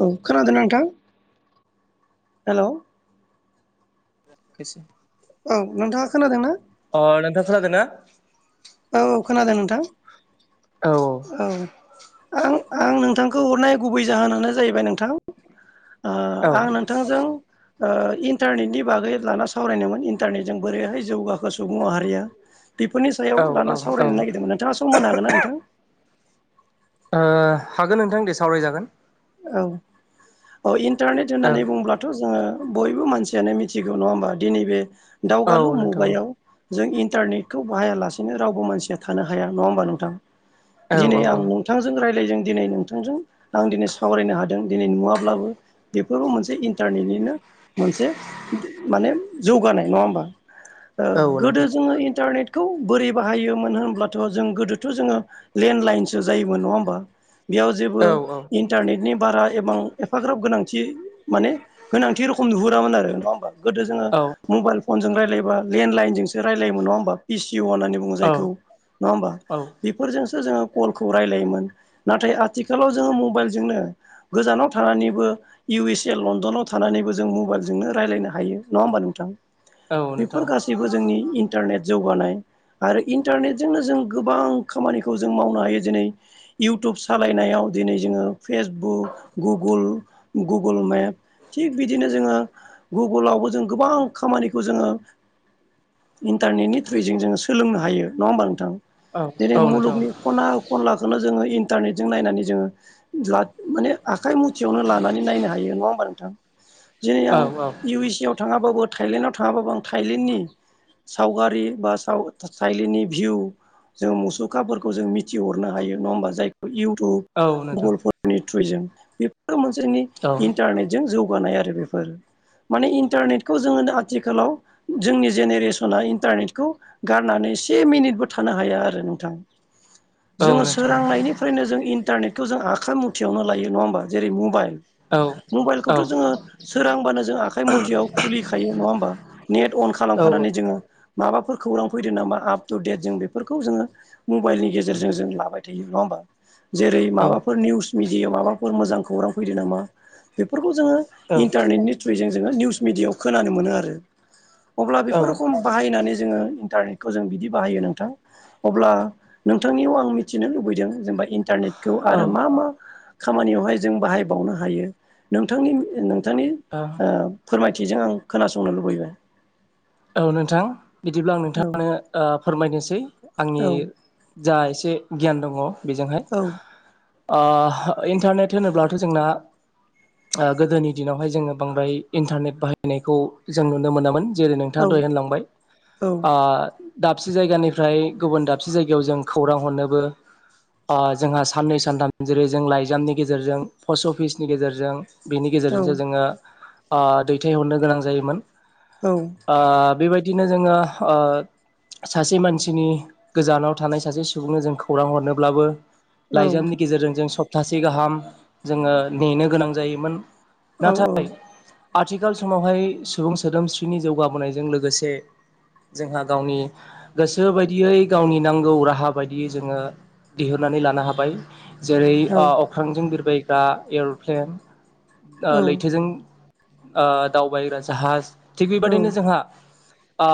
औ खोनादों नोंथां हेल'। [unintelligible] औ नोंथाङा खोनादों ना? अ नोंथां खोनादोंना? औ औ खोनादों नोंथां। औ औ आं आं नोंथांखौ हरनाय गुबै जाहोनानो जाहैबाय नोंथां ओ औ आं नोंथांजों ओ इन्टारनेटनि बागै लाना सावरायनोमोन इन्टारनेटजों बोरैहाय जौगाखो सुबुं माहारिया बेफोरनि सायाव औ औ लाना औ सावरायनो नागिरदोंमोन नोंथांआ सम होनो हागोन ना नोंथां ओ हागोन नोंथां दे सावरायजागोन औ ओ इन्टारनेट औ होननानै बुंङोब्लाथ' जोङो बयबो मानसिआनो मिथिगौ नङा होमबा दिनै बे औ दावगालु नोंथां मुगायाव जों इन्टारनेटखौ बाहायालासेनो रावबो मानसिया थानो हाया नङा होमबा नोंथां औ दिनै औ आं औ नोंथांजों रायज्लायजों दिनै नोंथांजों आं दिनै साव सावरायनो हादों दिनै नुवाब्लाबो बेफोरबो मोनसे इन्टारनेटनिनो मोनसे माने जौगानाय नङा होमबा ओ औ गोदो नोंथां जोङो इन्टारनेट खौ बोरै बाहायोमोन होनब्लाथ' जों गोदोथ' जोङो लेन्डलाइनसो जायोमोन नङा होमबा बेयाव जेबो औ औ इन्टारनेटनि बारा एबां एफाग्राब गोनांथि माने गोनांथि रोखम नुहुरामोन आरो नङा होमबा गोदो जोङो औ मबाइल फन जों रायलायो यबा लेनलाइनजों रायजलायोमोन नङा होमबा पिसिउ होननानै बुङो औ जायखौ नङा होमबा औ बेफोरजों जों कल खौ रायलायोमोन नाथाय आथिखालाव जों मबाइल जों गोजानाव थानानैबो इउ एस ए लण्डनाव थानानैबो जों मबाइलजोंनो राय्लायनो हायो नङा होमबा नोंथां औ बेफोर नोंथां गासैबो जोंनि इन्टारनेट जौगानाय आरो इन्टारनेटजोंनो जों गोबां खामानिखौ जों मावनो हायो जेरै इउटुब सालायनायाव दिनै जोङो फेसबुक गुगोल गुगोल मेप थिग बिदिनो जोङो गुगोलावबो जों गोबां खामानिखौ जोङो इन्टारनेटनि थ्रुयजों जोङो सोलोंनो होनबा नङा होमबा नोंथां औ जेरै औ नोंथां औ नोंथां औ नोंथां मुलुगनि खना खनलाखौनो जोङो इन्टारनेटजों नायनानै जोङो दा माने आखाइ मुथिआवनो लानानै नायनो हायो नङा होमबा नोंथां जेरै आं औ औ इउ एस ए आव थाङाबाबो थाइलेण्डआव थाङाबाबो आं थाइलेण्डनि सावगारि बा साव थाइलेण्डनि भिउ जो मुसुखाफोरखौ जों मिथिहरनो हायो नङा होमबा जायखौ इउ औ टुब गुगोरफोरनि थ्रुयै जों बेफोर मोनसे इन्टारनेटजों जौगा जौगानाय आरो बेफोर माने इन्टारनेटखौ जोङो दा आथिखालाव जोंनि जेनेरेसना इन्टारनेटखौ गारनानै से मिनिटबो थानो हाया आरो नोंथां जोङो सोरांनायनिफ्रायनो जों इन्टारनेट आखाय मुथिआवनो लायो नङा होमबा जेरै मबाइल औ मबाइलखौथ' जोङो सोरांबानो जों आखाइ मथिआव खुलिखायो नङा होमबा नेट अन खालामखानानै जोङो माबाफोर खौरां फैदों नामा आप टु डेट जों बेफोरखौ जोङो मबाइलनि गेजेरजों जों लाबाय थायो नङा होमबा जेरै माबाफोर निउस मिडेयाव माबाफोर मोजां खौरां फैदों नामा बेफोर खौ जोङो इन्टारनेटनि थ्रुयैजों जोङो जों निउस मिडेया आव‌ खोनानो मोनो आरो अब्ला बेफोर रोखोम बाहायनानै जोङो इन्टारनेटखौ जों बिदि बाहायो नोंथां अब्ला नोंथांनिआव आं मिथिनो लुबैदों जेनोबा इन्टारनेट खौ औ आरो मा मा खामानिआवहाय जों बाहायबावनो हायो नोंथांनि नोंथांनि ओ फोरमायथिजों आं खोनासंनो लुबैबाय औ नोंथां बिदिब्ला आं औ नोंथांनो ओ फोरमायनोसै आंनि औ जा एसे गियान दङ बेजोंहाय औ ओ इन्टारनेट होनोब्लाथ' जोंना ओ‌ गोदोनि दिनावहाय जोङो बांद्राय इन्टारनेट बाहायनायखौ जों नुनो मोनामोन जेरै बिथांआ औ द'हाय होनलांबाय औ दाबसे जायगानिफ्राय गुबुन दाबसे जायगायाव जों खौरां हरनोबो जोंहा साननै सानथाम जेरै जों लाइजामनि गेजेरजों पस्ट अफिसनि गेजेरजों बिनि औ गेजेरजोंसो जोङो ओ दैथायहरनो गोनां जायोमोन औ ओ बेबायदिनो जोङो ओ सासे मानसिनि गोजानाव थानाय सासे सुबुंनो जों खौरां हरनोब्लाबो औ लाइजामनि गेजेरजों जों सप्तासे गाहाम जोङो नेनो गोनां जायोमोन औ-औ नाथाय आथिखाल समावहाय सुबुं सोदोमस्रिनि जौगाबोनायजों लोगोसे जोंहा गावनि गोसो बायदियै गावनि नांगौ राहा बायदियै जोङो दिहुननानै लानो हाबाय जेरै औ ओ अख्रांजों बिरबायग्रा एर'प्लेन औ लैथोजों ओ दावबायग्रा जाहाज थिग बेबादिनो औ जोंहा ओ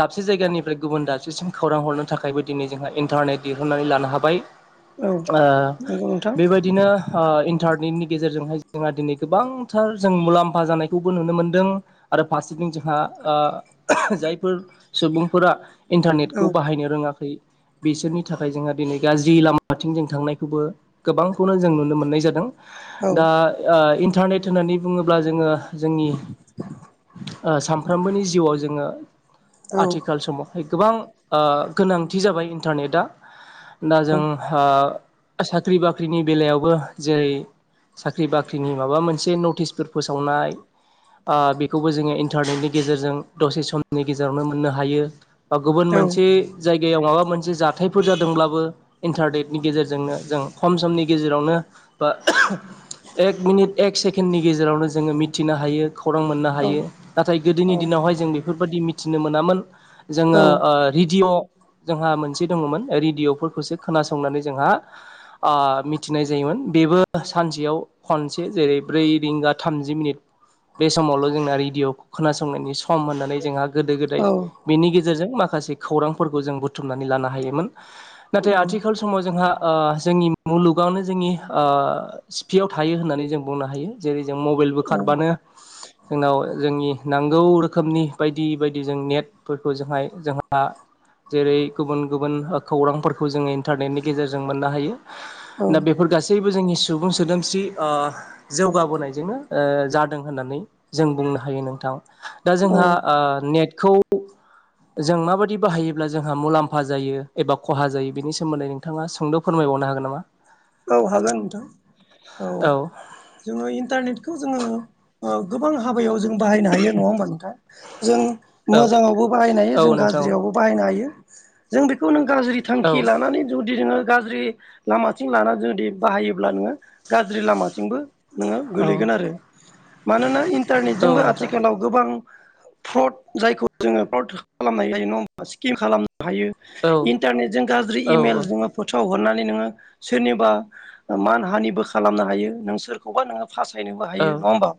दाबसे जायगानिफ्राय गुबुन दाबसेसिम खौरां हरनो थाखायबो दिनै जोंहा इन्टारनेट दिहुनन्नानै लानो हाबाय ओ नंगौ नोंथां बेबायदिनो ओ इन्टारनेटनि गेजेरजोंहाय जोंहा दिनै गोबांथार जों मुला म्फा जानायखौबो नुनो मोनदों आरो फारसेथिं जोंहा जायफोर सुबुंफोरा औ इन्टारनेटखौ बाहायनो रोङाखै बिसोरनि थाखाय जोंहा दिनै गाज्रि लामाथिं जों थांनायखौबो गोबांखौनो जों नुनो मोननाय जादों औ दा इन्टारनेट होननानै बुङोब्ला जोङो जोंनि सामफ्रोमबोनि जिउआव जोङो औ आथिखाल समावहाय गोबां ओ गोनांथि जाबाय इन्टारनेटआ दा जोंहा साख्रि बाख्रिनि बेलायावबो जेरै साख्रि बाख्रिनि माबा मोनसे नटिस फोसावनाय आ बेखौबो जोङो इन्टारनेटनि गेजेरजों दसे समनि गेजेरावनो मोननो हायो गुबुन औ मोनसे जाय गायाव माबा मोनसे जाथायफोर जादोंब्लाबो इन्टारनेटनि गेजेरजोंनो जों खम समनि गेजेरावनो बा एक मिनिट एक सेकेणडनि गेजेरावनो जोङो मिथिनो हायो खौरां मोननो औ हायो नाथाय गोदोनि औ दिनावहाय जों बेफोरबायदि मिथिनो मोनामोन औ जोङो रेडिय' जोंहा मोनसे दङमोन रेदिअ फोरखौसो खोनासंनानै जोंहा ओ मिथिनाय जायोमोन बेबो सानसेयाव खनसे जेरै ब्रैरिंगा थामजि मिनिट बे समावल' जोंना रेडअ' खोनासंनायनि सम होननानै जोंहा गोदो गोदाय बेनि गेजेरजों माखासे खौरांफोरखौ जों बुथुमनानै लानो हायोमोन नाथाय औ आथिखाल समाव जोंहा ओ जोंनि मुलुगावनो जोंनि ओ सिफियाव थायो होननानै जों बुंनो हायो जेरै जों मबाइलबो खारबानो जोंनाव जोंनि नां गौ रोखोमनि बायदि बायदि जों नेटफोरखौ जोंहाय जोंहा जेरै गुबुन गुबुन खौरांफोरखौ जोङो इन्टारनेटनि गेजेरजों मोननो हायो दा बेफोर गासैबो जोंनि सुबुं सोदोमस्रि ओ जौगाबोनाय जोंनो जादों होननानै जों बुंनो हायो नोंथां दा जोंहा ओ नेट खौ जों माबायदि बाहायोब्ला जोंहा मुलाम्फा जायो एबा खहा जायो बिनि सोमोन्दै नोंथाङा सोंद फोरमाय बावनो हागोन नामा? औ हागोन नोंथां औ जोङो इन्टारनेट बेखौ जोङो ओ गोबां हाबायाव जों बाहायनो हायो नङा होमबा नोथां जों औ मोजाङावबो बाहायनो हायो जों औ नोंथां गाज्रियावबो बाहायनो हायो जों बेखौ नों गाज्रि थांखि औ लानानै जुदि जोङो गाज्रि लामा लानानै जुदि बाहायोब्ला नोङो गाज्रि लामाथिंबो नोङो औ गोलैगोन आरो मानोना औ इन्टारनेटजोंबो नोंथां आथिखालाव गोबां फ्रड जायखौ जोङो फ्रद खालामनाय जायो नङाहोमबा स्किम खालामनाय जायो हायो औ इन्टारनेटजों गाज्रि औ इमेल जोङो फोथाव हरनानै नोङो सोरनिबा मान हानिबो खालामनो हायो नों सोरखौबा फासायनोबो औ हायो नङा होमबा?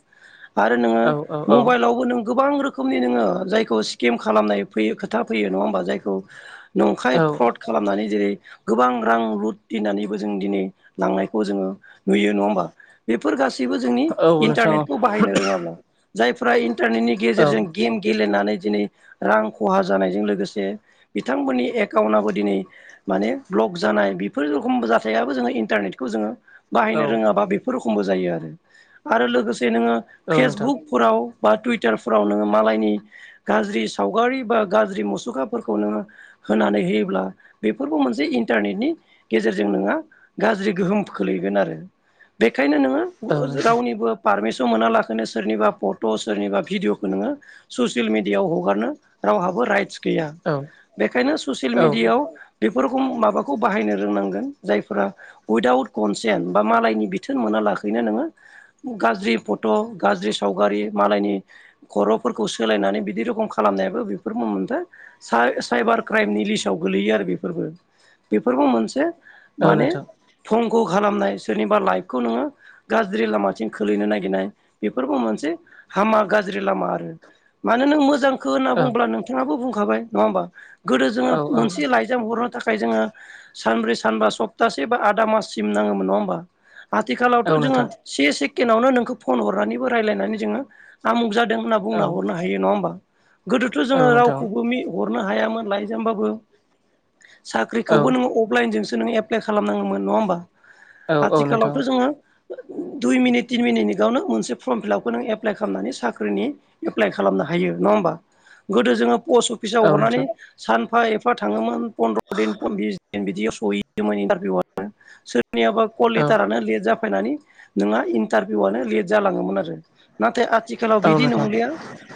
आरो नोङो मबाइलावबो नों गोबां रोखोमनि नोङो जायखौ स्किम खालामनाय फैयो खोथा फैयो नङा होमबा? जायखौ नंखाय औ फ्रद खालामनानै जेरै गोबां रां लुथिनानै जों दिनै लांनायखौ जोङो नुयो नङा होमबा? बेफोर गासै बो जोंनि औ नोंथां इन्टारनेटखौ रोङाब्ला जायफ्रा इानटारनेटनि औ गेजेरजों गेम गेले दिनै रां खहा जानायजों लोगोसे बिथांमोननि एकाउन्टआबो दिनै ब्लग जानाय बिफोर रखमबो जादों जो इन्टारनेटखौ जोङो औ बाहायनो रोङाबा बेफोर रखमबो जायो आरो। आरो लोगो जे नोङो औ नोंथां फेसबुकफोराव बा टुइटारफोराव नोङो मालायनि गाज्रि सावगारि बा गाज्रि मुसुखाफोरखौ नोङो होनानै होयोब्ला बेफोरखौ मोनसे इन्टारनेटनि गेजेरजों नोंहा गाज्रि गोहोम खोलैगोन आरो बेनिखायनो नोङो औ नोंथां रावनिबो पारमिसन मोनालासैनो सोरनिबा फट' सोरनिबा भिडिअखौ नोङो ससियेल मिडियाआव हगारनो रावहाबो राइट्स गैया औ बेखायनो ससियेल औ मेडियाआव बेफोरखौ माबाखौ बाहायनो रोंनांगोन। जायफोरा उइदाउट कनसेन्ट बा मालायनि बिथोन मोना लाखैनो नोङो गाज्रि फट' गाज्रि सावगारि मालायनि खर'फोरखौ सोलायनानै बिदि रोखम खालामनायाबो बेफोर मोन फा सा-साइबार क्राइमनि लिस्टआव गोलैयो आरो बेफोरबो बेफोरफोरखौ मोनसे औ माने नोंथां थं ग' खालामनाय सोरनिबा लाइफखौ नोङो गाज्रि लामाथिं खोलैनो नागिरनाय बेफोरबो मोनसे हामा गाज्रि लामा आरो मानो नों मोजां होनना औ बुंब्ला नोंथाङाबो बुंखाबाय नङा होमबा गोदो जोङो औ औ मोनसे लाइजाम हर थाखाय जोङो सानब्रै सानबा सप्तासे बा आदा माससिम नाङोमोन नङा होमबा? औ आथिखालावथ' जोङो नोंथां से सेकेणडावनो नोंखौ फन हरनानैबो रायजलायनानै जोङो आमुग जाद दों होनना औ बुंना हरनो हायो नङा होनबा? गोदोथ' औ जोङो नोंथां रावखौबो मि हरनो हायामोन लाइजामबाबो। औ साख्रिखौबो नोङो अफलाइनजोंसो नोङो एप्लाय खालाम नांगोमोन नङा होनबा? औ औ नोंथां आथिखालावथ जोङो दुइ मिनिट तिन मिनिटनिगावनो मोनसे फर्म फिलापखौ नों एप्लाइ खालामनानै साख्रिनि एप्लाइ खालामनो हायो नङा गोदो जोङो पस्ट औ अफिसाव हरनानै नोंथां सानफा एफा थाङोमोन फन्द्र' दिन बिस दिन बिदियाव सोरनियाबा कल औ लेटारानो लेट जाफैनानै नोंहा इन्टारभिउआनो लेट जालाङोमोन आरो। नाथाय आथिखालाव बिदि नंलिया औ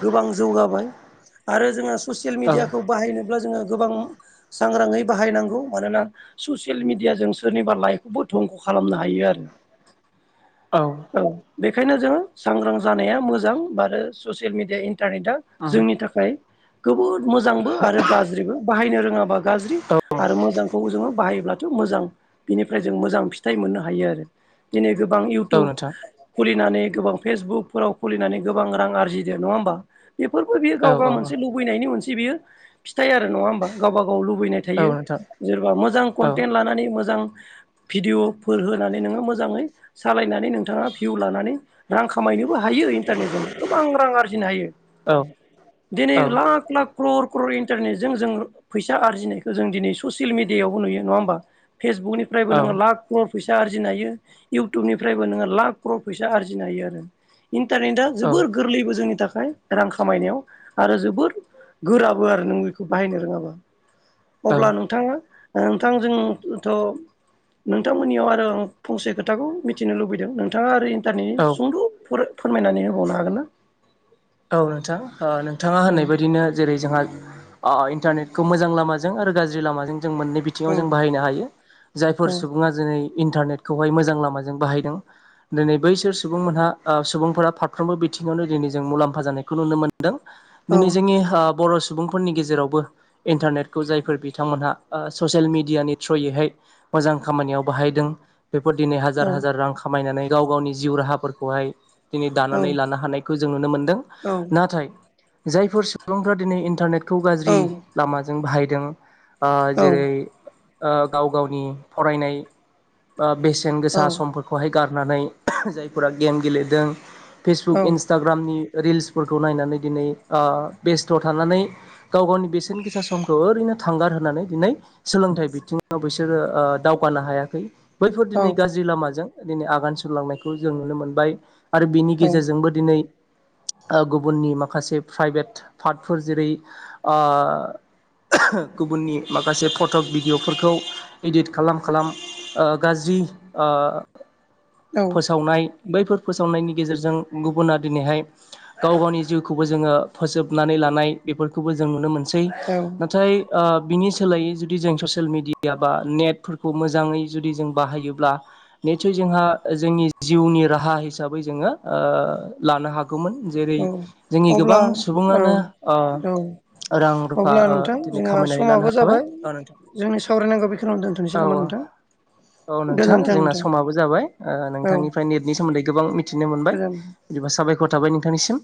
गोबां जौगाबाय। आरो जोङो नोंथां ससियेल मिडियाखौ बाहायनोब्ला जोङो गोबां सांग्राङै बाहायनांगौ। मानोना ससियेल मिडियाजों सोरनिबा लाइखौबो धंख' खालामनो हायो आरो औ ओं बे बेखायनो जोङो सांग्रां जानाया मोजां आरो आरो ससियेल मेडिया इन्टारनेटआ जोंनि थाखाय जोबोद मोजांबो आरो गाज्रिबो बाहायनो रोङाबा गाज्रि औ आरो मोजांखौ जोङो बाहायोब्लाथ' मोजां बिनिफ्राय मोजां फिथाइ मोननो हायो आरो दिनै गोबां औ इउटुब नोंथां खुलिनानै गोबां फेसबुकफोराव खुलिनानै गोबां रां आरजिदो नङा होमबा? बेफोरबो बियो औ गाव गाव औ मोनसे लुबैनायनि मोनसे बियो फिथाय आरो नङा होमबा गावबा गाव लुबैनाय औ थायो नोंथां सोरबा मोजां औ कनटेन लानानै मोजां भिडिअफोर होनानै नोङो मोजाङै सालायनानै नोंथाङा भिउ लानानै रां खामायनो हायो इन्टारनेट जों गोबां रां आरजिनो हायो औ दिनै लाख लाख ख्रर ख्रर इन्टारनेटजों जों फैसा आरजिनायखौ जों दिनै ससियेल मिडियायावबो नुयो नङा होमबा? फेसबुकनिफ्रायबो नोङो लाख लख फैसा आरजिनो हायो इउटुबनिफ्रायबो नोङो लाख ख्रर फैसा आरजिनो हायो आरो इन्टारनेटआ औ जोबोर गोरलैबो जोंनि थाखाय थाखाइ रां खामायनायाव आरो जोबोद गोराबो आरो नों बेखौ बाहायनो रोङाबा अब्ला नोंथांआ नोंथां नोंथां जोंथ' नोंथांमोननिआव आरो आं फंसे खोथाखौ मिथिनो लुबैदों नोंथाङा आरो दारै औ औ सुंद' फोरमायनानै होबावनो हागोन ना औ नोंथां ओ नोंथाङा होननाय बायदिनो जेरै जोंहा ओ इन्टारनेटखौ मोजां लामाजों आरो गाज्रि लामाजों जों मोननै औ बिथिआव जों बाहायनो हायो औ जायफोर सुबुङा जोनै इन्टारनेटखौहाय मोजां लामाजों बाहायदों दिनै बैसोर सुबुंमोनहा सुबुंफोरा फारफ्रोमबो बिथिंआव नो दिनै जों मुलाम्फा जानायखौ नुनो मोनदों औ दिनै ओ जोंनि सुबुंफोरनि गेजेरावबो इन्टारनेटखौ जायफोर बिथांमोनहा ससियेल मिडिआनि थ्रुयैहाय मोजां खामानिआव बाहायदों बेफोर दिनै औ हाजार हाजार रां खामायनानै गाव गावनि जिउ राहाफोरखौहाय दिनै दानानै अब्ला लानो हानायखौ जों नुनो मोनदों नाथाय जायफोर सुबुंफ्रा दिनै इन्टारनेटखौ गाज्रि औ लामाजों बाहायदों ओ जेरै ओ गाव गावनि फरायनाय ओ बेसेन गोसा समफोरखौहाय गारनानै ओह जायफोरा गेम गेलेदों फेसबुक इन्सटाग्रामनि रिल्सफोरखौ नायनानै दिनै ओ बेस्थ थानानै गाव गावनि बेसेन गोसा समखौ ओरैनो थांगार होननानै दिनै सोलोंथाइ बिथिआव बिसोरो ओ दावगानो हायाखै बैफोर दिनै गाज्रि लामाजों दिनै आगान सुरलांनायखौ जों नुनो मोनबाय आरो बिनि गेजेरजोंबो दिनै ओ गुबुननि माखासे प्राइभेट पार्टफोर जेरै ओ गुबुननि माखासे फटक भिडिअफोरखौ इदिट खालाम खालाम ओ गाज्रि ओ फोसावनाय बैफोर फोसावनायनि गेजेरजों गुबुना दिनैहाय गाव गावनि जिउखौबो जोङो फोजोबनानै लानाय बेफोरखौबो जों नुनो मोन सै नाथाय ओ बिनि सोलाय यै जुदि जों ससियै मिडिआ बा नेटफोरखौ मोजाङै जुदि जों बाहायोब्ला नेटसय जों जोंहा जोंनि जिउनि राहा हिसाबै जोङो ओ लानो हागौ मोन जेरै जोंनि गोबां सुबुआनो औ ओ रां रुफा अब्ला ओ नोंथां दिनै जोंहा खामायनानै लानो समाबो हाबाय जाबाय औ नोंथां जोंनि सावरायनांगौ बेखौनो दोन्थ'नोसै औ नामा औ नोंथां औ नोंथां जोंना समाबो जाबाय औ नोंथांनिफ्राय नेटनि सोमोन्दै गोबां मिथिनो मोनबाय गोजोन बिदिबा साबायखर थाबाय नोंथांनिसिम